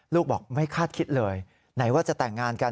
ลูกบอกไม่คาดคิดเลยไหนว่าจะแต่งงานกัน